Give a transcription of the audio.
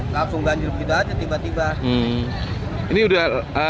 langsung banjir begitu saja tiba tiba